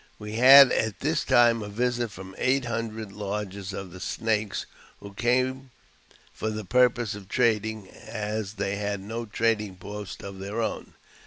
303 We had at this time a visit from eight hundred lodges of the Snakes, who came for the purpose of trading, as they had no trading post of their own.